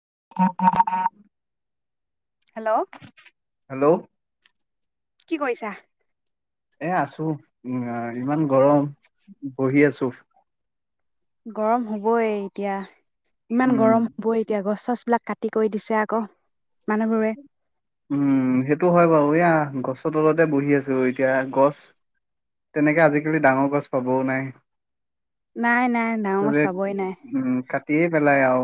[inaudible] Hello. Hello কি কইছা? এ আছো উম, ইমান গৰম, বহি আছো। গৰম হ'বই এতিয়া। ইমান উম গৰম হ'বই এতিয়া গছ চছ বিলাক কাটি কই দিছে আকৌ মানুহবোৰে। উম, হেটো হয় বাৰু এয়া গছৰ তলতে বহি আছো এতিয়া গছ, তেনেকে আজিকালি ডাঙৰ গছ পাবও নাই। নাই নাই ডাঙৰ গছ চবে পাবই উম, কাটিয়ে পেলাই আও।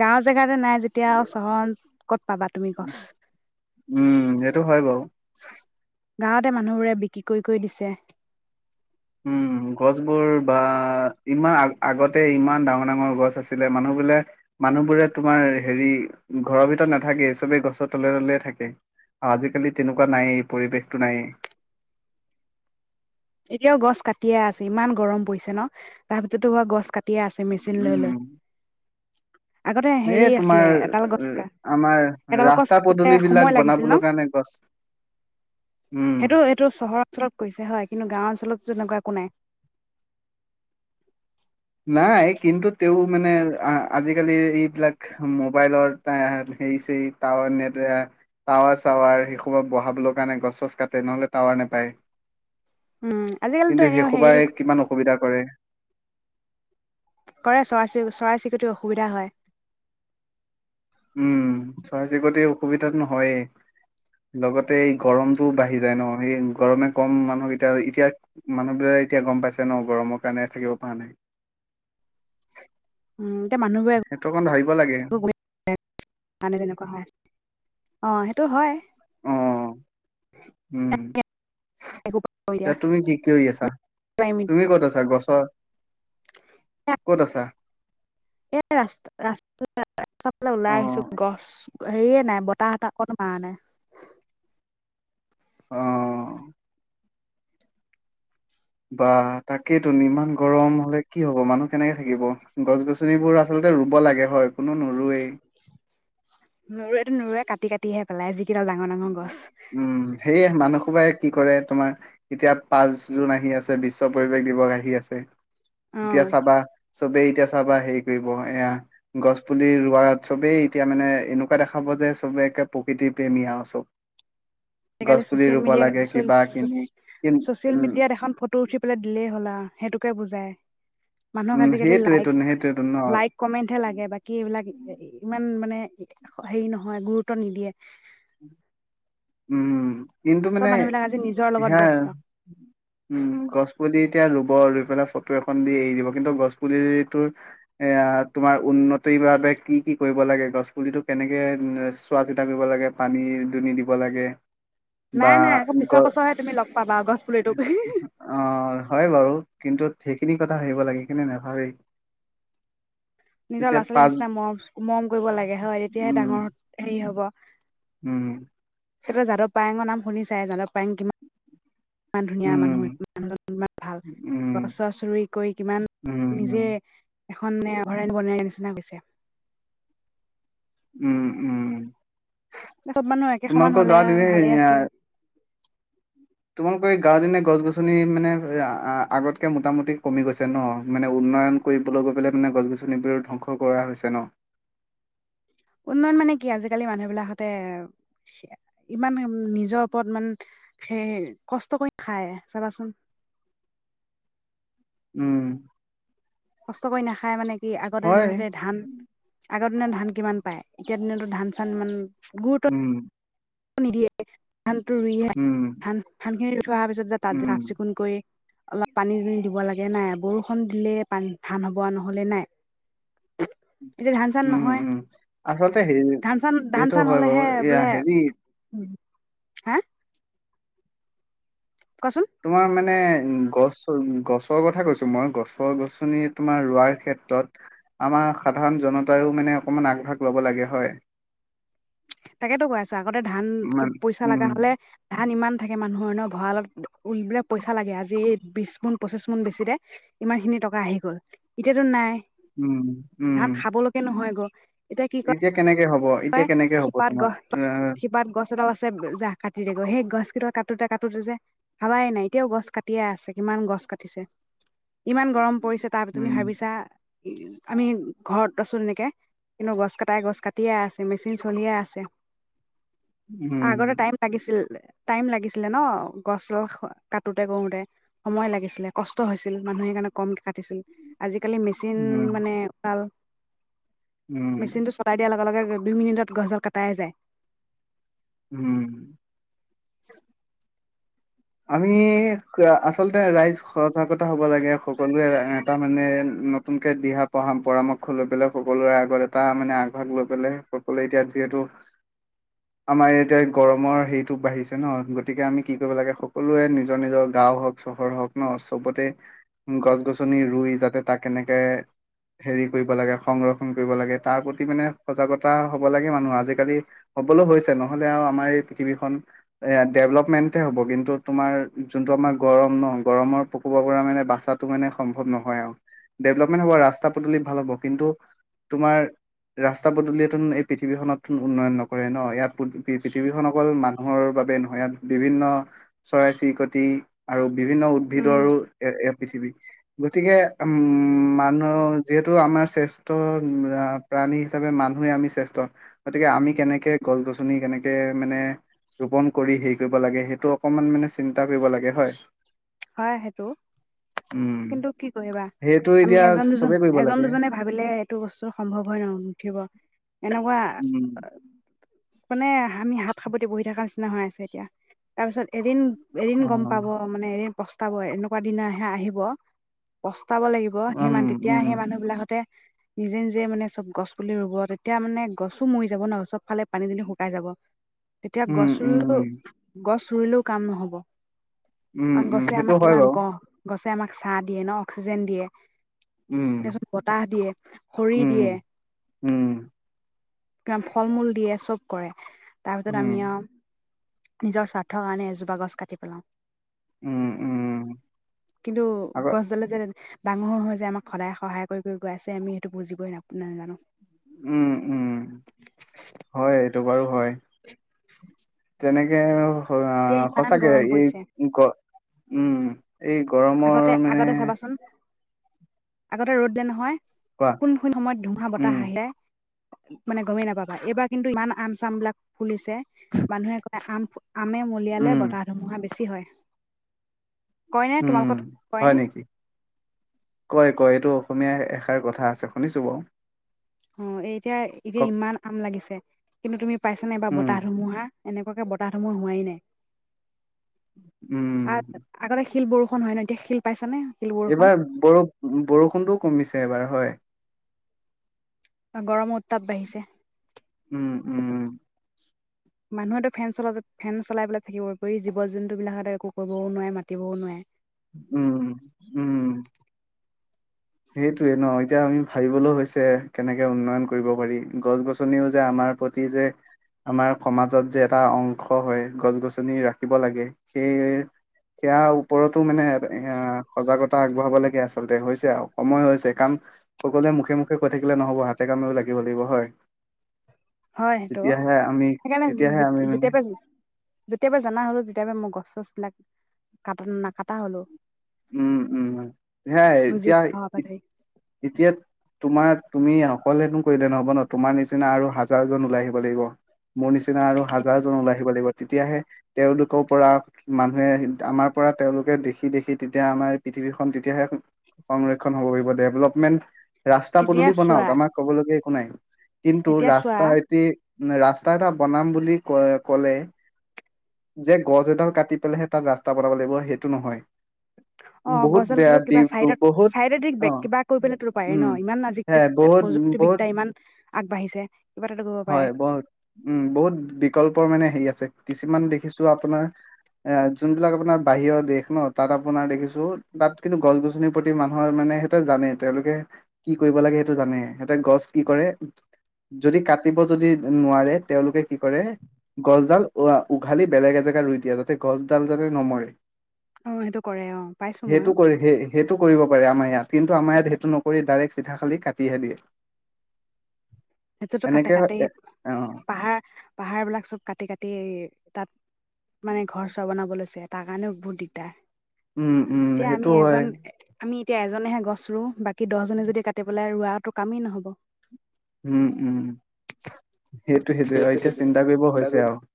গাঁও জেগাতে নাই যেতিয়া আওঁ চহৰত উম, সেইটো হয় বাও। গাঁৱতে মানুহবোৰে বিক্ৰী কই কই দিছে। উম, গছবোৰ বা ইমান আ আগতে ইমান ডাঙৰ ডাঙৰ গছ আছিলে মানুহ বিলে মানুহবোৰে তোমাৰ হেৰি ঘৰৰ ভিতৰত নাথাকে চবেই গছৰ তলে, তলে থাকে আৰু আজিকালি তেনেকুৱা নায়েই পৰিৱেশটো নায়েই। এতিয়াও গছ কাটিয়ে আছে ইমান গৰম পৰিছে ন' তাৰপিছতো হোৱা গছ কাটি টিয়ে আছে মেচিন লৈ লৈ। উম আগতে হেৰি এই আছিলে তোমাৰ এডাল গছ কা আমাৰ এডাল গছ ৰাস্তা কতোতে পদূলি বিলাক সময় লাগিছিল বনাবলৈ ন' কাৰণে গছ উম হেটো এইটো চহৰ অঞ্চলত কৈছে হয়। অঞ্চলত তেনেকুৱা একো নাই, নাই কিন্তু তেওঁ মানে আ আজিকালি এইবিলাক মোবাইলৰ হেৰি ছেৰি টাৱাৰ নেট এ টাৱাৰ চাৱাৰ সেইসোপা বহাবলে কাৰণে গছ চছ কাটে নহ'লে টাৱাৰ নেপায়। উম আজিকালিতো কিন্তু এনেও হেৰি হেইসোবাই কিমান অসুবিধা কৰে কৰে চৰাই চি চৰাই চিৰিকটিৰ অসুবিধা হয়। উম চৰাই চিৰিকতি অসুবিধাতোন হয়েই লগতে এই গৰমটো বাঢ়ি যায় ন সেই গৰমে কম মানুহ এতিয়া এতিয়া মানুহবিলাক এতিয়া গম পাইছে ন গৰমৰ কাৰণে থাকিব পৰা নাই। [unintelligible] সেইটো অকণ ভাবিব [unintelligible] লাগে। [inaudible] মানে তেনেকুৱা হয় [inaudible] অ' সেইটো হয়। অ' উম! একো এতিয়া এয়া তুমি কি কি কৰি আছা তুমি ক'ত আছা গছৰ, ক'ত আছা? এ ৰাস্ত ৰাস্ত ৰাস্তা ফালে অ', ওলাই আহিছোঁ গছ হেৰিয়ে নাই বতাহ অকণ মাৰা নাই, অ-অ' বা তাকেইতোন ইমান গৰম হলে কি হ'ব মানুহ কেনেকে থাকিব গছ গছনিবোৰ আচলতে ৰুব লাগে হয়। কোনো নোৰুৱেই। নুৰুৱেটো নুৰুৱে কাটি কাটি কাটিহে পেলাই যি, উম সেয়েহে কি কৰে তোমাৰ এতিয়া পাঁচ জুন আহি আছে বিশ্ব পৰিৱেশ দিৱস আহি আছে। অ এতিয়া চাবা চবেই এতিয়া চাবা হেৰি কৰিব এয়া গছ পুলি ৰোৱাত চবেই এতিয়া মানে এনেকুৱা দেখাব যে চবে একে প্ৰকৃতিৰ প্ৰেমী আৰু [inaudible] আজিকালি পুলি চচিয়েল ৰুব মিডিয়া লাগে কিবা কিনি [unintelligible] কিন ছচিয়েল উম, মিডিয়াত এখন ফটো উঠি পেলাই দিলেই হলা। সেইটোকে বুজাই, মানুহক উম, আজিকালি লাইক সেইটোৱেটোন সেইটোৱেটোন ন। লাইক কমেন্টহে লাগে বাকী এইবিলাক ইমান মানে, হেৰি নহয় গুৰুত্ব নিদিয়ে। উম! কিন্তু চব মানে মানুহবিলাক আজি নিজৰ লগত সেয়া ব্যস্ত উম গছপুলিত, এতিয়া ৰুব ৰুই পেলাই ফটো এখন দি এৰি দিব কিন্তু গছ পুলিটো তোমাৰ উন্নতিৰ বাবে কি কি কৰিব লাগে গছ পুলিটো কেনেকে চোৱা চিতা কৰিব লাগে পানী দুনি দিব। লাগে। বা নাই নাই আকৌ গ পিছৰ বছৰহে তুমি লগ পাবা গছ পুলিটোক অ হয় বাৰু কিন্তু, সেইখিনি কথা ভাবিব লাগে কিন্তু নাভাবেই নিজৰ এতিয়া ল'ৰা ছোৱালীৰ পাঁচ নিচিনা মৰম মৰম কৰিব লাগে হয় তেতিয়াহে উম, ডাঙৰ হেৰি হব উম, কেতিয়াবা যাদৱ পায়েঙ বনাম। শুনি চাই যাদৱ পায়েঙ কিমা ইমান ধুনীয়া মানুহ উম, ইমান ভাল। উম, গছ চছ ৰুই কৈ কিমান উম, নিজে উম, [inaudible] উম, উম। চব মানুহ একে সমান তোমালোকৰ হ'লে গাঁৱত আৰু ভালেই এনে আছিলে। তোমালোকৰ এই গাঁৱত এনে গছ গছনি মানে আগতকে মোটামুটি কমি গৈছে ন মানে উন্নয়ন কৰিবলৈ গৈ পেলে মানে গছ গছনিবোৰ ধ্বংস কৰ উন্নয়ন মানে কি আজিকালি মানুহবিলাকতে ইমান নিজৰ ওপৰত ইমান সে কষ্ট কৰি খায় চাবাচোন। উম। কষ্ট কৰি নাখায় মানে কি আগতে হয় দিনতে ধান আগৰ দিনা ধান কিমান পায়, এতিয়া দিনতো ধান চান ইমান গুৰুত্ব উম। নিদিয়ে। ধানটো ৰুইয়ে উম ধান ধানখিনি থোৱাৰ পিছত যে তাত উম চাফ চিকুণ কৰি। অলপ পানী [inaudible] দিব লাগে নাই বৰষুণ দিলে পানীত ধান হ'ব, নহলে নাই। এতিয়া ধান চান উম, নহয় উম, আচলতে ধান চান [inaudible] এইটো হয় বাৰু এয়া হেৰি হে? তোমাৰ মানে মানে গছ গছৰ কথা কৈছো মই গছৰ গছনি তোমাৰ ৰুৱাৰ ক্ষেত্ৰত আমাৰ সাধাৰণ জনতাইও মানে অকমান আগভাগ ল'ব লাগে হয়। তাকেতো কৈ আছো আগতে ধান ইমান পইচা উম লগা হলে ধান ইমান থাকে মানুহ হয় নহ ভঁৰালত উলবিলাক পইচা লাগে আজি বিশ মোন পঁচিশ মোন বেছিৰে ইমান খিনি টকা আহি গল এতিয়াতো নাই। উম, উম। ধান খাবলৈকে নহয় গৈ কি এতিয়া কেনেকে হ'ব। এতিয়া কেনেকে [inaudible] হব শিপাত তোমাৰ [unintelligible] আহ, শিপাত গছ এডাল আছে জাহ কাটিৰে গৈ সেই গছ কেইডাল কাটোতে কাটোতে যে ভাৱাই নাই এতিয়াও গছ কাটিয়ে আছে কিমান গছ কাটিছে। ইমান গৰম। পৰিছে তাৰ তুমি উম, ভাবিছা আমি ঘৰত আছো তেনেকে। কিন্তু গছ কাটাই গছ কাটিয়ে আছে। মেচিন চলিয়ে আছে আগতে উম, টাইম লাগিছিল। টাইম লাগিছিলে ন গছ ডাল কাটোতে কৰোতে সময় লাগিছিলে কষ্ট হৈছিল মানুহে সেইকাৰণে কমকে [inaudible] দিছিল। আজিকালি মেচিন উম, মানে [unintelligible] উম, মেচিনটো চলাই দিয়াৰ লগে লগে দুই মিনিটত গছডাল কটাই যায় উম আমি আচলতে ৰাইজ সজাগতা হব লাগে সকলোৱে এটা মানে নতুনকৈ দিহা পহা পৰামৰ্শ লৈ পেলাই সকলোৰে আগত এটা মানে আগভাগ লৈ পেলাই সকলোৱে এতিয়া যিহেতু আমাৰ এতিয়া গৰমৰ হেৰিটো বাঢ়িছে ন গতিকে আমি কি কৰিব লাগে সকলোৱে নিজৰ নিজৰ গাঁও হওক চহৰ হওক ন চবতে গছ গছনি ৰুই যাতে তাক কেনেকে হেৰি কৰিব লাগে সংৰক্ষণ কৰিব লাগে তাৰ প্ৰতি মানে সজাগতা হ'ব লাগে মানুহ আজিকালি হ'বলৈ হৈছে নহ'লে আৰু আমাৰ এই পৃথিৱীখন ডেভেলপমেণ্টহে হ'ব কিন্তু তোমাৰ যোনটো আমাৰ গৰম ন' গৰমৰ প্ৰকোপৰ পৰা মানে বাচা মানে সম্ভৱ নহয় আৰু ডেভলপমেণ্ট হ'ব ৰাস্তা পদূলিত ভাল হ'ব কিন্তু তোমাৰ ৰাস্তা পদূলিয়ন এই পৃথিৱীখনত উন্নয়ন নকৰে ন' ইয়াত পৃথিৱীখন অকল মানুহৰ বাবে নহয় ইয়াত বিভিন্ন চৰাই চিৰিকটি আৰু বিভিন্ন উম, উদ্ভিদৰো এ এ পৃথিৱী গতিকে উম মানুহ যিহেতু আমাৰ শ্ৰেষ্ঠ প্ৰাণী হিচাপে মানুহে আমি শ্ৰেষ্ঠ, গতিকে আমি কেনেকে গছ গছনি কেনেকে মানে ৰোপন কৰি হেৰি কৰিব লাগে সেইটো অকমান মানে চিন্তা কৰিব লাগে হয় হয় সেইটো উম কিন্তু কি কৰিবা সেইটো আমি এতিয়া এজন দুজন চবেই কৰিব এজন লাগে দুজনে ভাবিলে এইটো বস্তু সম্ভৱ হয় ন নুঠিব এনেকুৱা উম মানে আমি হাত খাপতি বহি থকাৰ নিচিনা হৈ আছে এতিয়া, তাৰপিছত এদিন এদিন অ গম পাব মানে এৰি পস্তাব এনেকুৱা দিনাহে আহিব পাব লাগিব উম সিমান উম তেতিয়াহে মানুহ বিলাকৰ তে নিজে নিজে মানে চব গছ পুলি ৰুব তেতিয়া মানে গছো মৰি যাব ন' চবফালে পানী দিলে শুকাই যাব। তেতিয়া উম, গছ ৰু উম, গছ, চুৰিলেও কাম নহ'ব, উম, কাৰন উম, গছে সেইটো আমাক হয় কিমান বাৰু। ক গছে আমাক, চাহ দিয়ে ন অক্সিজেন দিয়ে। উম, তাপিছত বতাহ দিয়ে খৰি দিয়ে উম, উম, কিমান ফল মূল দিয়ে চব। কৰে তাৰপিছত উম, আমি ও নিজৰ স্বাৰ্থ কাৰণে এজ গছ কাটি পেলাওঁ, উম, উম, কিন্তু আকৌ গছডালে যে, ডাঙৰ হৈ হৈছে যে আমাক সদায় সহায় কৰি কৰি গৈ আছে আমি সেইটো বুজিবই না প নাজানো। উম উম হয় এইটো বাৰু তেনেকেও, আ এতিয়া ইমান সঁচাকে গৰম পৰিছে এই গ উম এই গৰমৰ আগতে মানে, আগতে চাবাচোন আগতে ৰ'দ দিলে নহয়। কোৱা কোন কোন সময়ত ধুমুহা উম, বতাহ আহিলে। মানে গমেই নাপাবা এইবাৰ কিন্তু ইমান আম চাম বিলাক ফুলিছে মানুহে কয় আম আমে মলিয়ালে উম, বতাহ ধুমুহা বেছি, কই উম হয় নেকি কয় কয় এইটো অসমীয়া, কথা আছে শুনিছো বাৰু অ', এই এতিয়া, এতিয়া কওক ইমান আম লাগিছে। [unintelligible] কিন্তু তুমি পাইছা নাই এইবা উম, বতাহ ধুমুহা? এনেকুৱাকে বতাহ ধুমুহা হোৱাই নাই। আ, উম, আগতে শিল বৰষুণ হয় ন এতিয়া শিল পাইছা নে? এইবাৰ বৰ-বৰষুণটোও কমিছে, এইবাৰ হয়। গৰমত। উম, উম। মানুহেতো ফেন চলা, ফেন চলাই পেলাই থাকিব পৰব, এই জীৱ জন্তু বিলাক হতে একো কৰিবওঁ নোৱাৰে, মাতিবওঁ নোৱাৰে। উম, উম, উম। সেইটোৱে ন', এতিয়া আমি ভাবিবলৈ হৈছে, কেনেকে উন্নয়ন কৰিব পাৰি। গছ গছনিও যে আমাৰ প্ৰতি যে, আমাৰ সমাজত যে এটা অংশ হয়, গছ গছনি ৰাখিব লাগে, সেই সেয়া ওপৰতো মানে এ, সজাগতা আগবঢ়াব লাগে আচলতে, হৈছে আৰু। সময় হৈছে কাৰণ সকলোৱে মুখে মুখে কৈ থাকিলে নহ'ব, হাতে কামেও লাগিব লাগিব হয়। হয় সেইটো, তেতিয়াহে আমি সেইকাৰণে তেতিয়াহে আমি মানে যে-যেতিয়া-যেতিয়াবা জনা হলো, তেতিয়া পৰা মোৰ গছ চছ বিলাক কটা নাকটা হলো। উম, উম, সেয়াই বুজি এতিয়া, পোৱাৰ পৰা ধৰি এতিয়া তোমাৰ তুমি অকলে কৰিলে নহ'ব ন' তোমাৰ নিচিনা আৰু হাজাৰজন ওলাই আহিব লাগিব। মোৰ নিচিনা আৰু হাজাৰজন ওলাই আহিব লাগিব। তেতিয়াহে তেওঁলোকৰ পৰা মানুহে আমাৰ পৰা তেওঁলোকে দেখি, দেখি দেখি তেতিয়া আমাৰ পৃথিৱীখন তেতিয়াহে সংৰক্ষণ হ'ব পাৰিব ডেভলপমেন্ট। ৰাস্তা এতিয়া পদূলি চোৱা বনাওঁক আমাৰ ক'বলগা একো শুনা নাই। কিন্তু এতিয়া চোৱা ৰাস্তা এতিয়া ৰাস্তা এটা বনাম বুলি ক' ক'লে যে গছ এডাল কাটি পেলাইহে তাত ৰাস্তা বনাব লাগিব সেইটো নহয়। অ', বহুত বেয়া গছডালটোতো বি কিবা ব- চাইডত, বহুত চাইড দি অ কিবা কৰিব পেলো পায় উম ন' ইমান আজিকালি হ্যাঁ বহুত বহুত প্ৰযুক্তিবিদ্যা ইমান আগবাঢ়িছে। কিবা এটাতো কৰিব পাৰে হয়, বহত উম, বহুত বিকল্পৰ মানে হেৰি আছে। কিছুমান দেখিছো আপোনাৰ এ, যোনবিলাক আপোনাৰ বাহিৰৰ দেশ ন' তাত আপোনাৰ দেখিছো তাত কিন্তু গছ-গছনিৰ প্ৰতি মানুহৰ মানে সিহঁতে জানে তেওঁলোকে কি কৰিব লাগে সেইটো জানে সিহঁতে গছ কি কৰে যদি কাটি কাটিব যদি নোৱাৰে তেওঁলোকে কি কৰে গছডাল উঘালি বেলেগ এজেগা ৰুই দিয়ে যাতে গছডাল যাতে নমৰে। অ সেইটো কৰে অ পাইছো মইয়ো সেইটো কৰি সেই সেইটো কৰিব পাৰে আমাৰ ইয়াত। কিন্তু আমাৰ ইয়াত সেইটো নকৰি ডাইৰেক্ট চিঠা খালি কাটিহে দিয়ে। সেইটোতো কাটি, এনেকে কাটি হয় এ অ পাহাৰ পাহাৰ বিলাক চব কাটি, কাটি তাত মানে ঘৰ চোৱা বনাব লৈছে। তাৰ কাৰণে বহুত দিগদাৰ। উম উম এতিয়া আমি সেইটো হয়। এজন আমি এতিয়া এজনেহে গছ ৰু বাকী দহজনে যদি কাটি পেলাই ৰোৱাটো কামেই নহ'ব উম উম সেইটো সেইটোৱে আৰু এতিয়া চিন্তা কৰিব হৈছে আৰু।